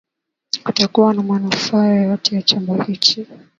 kutakuwa manufaa yoyote ya chombo hichi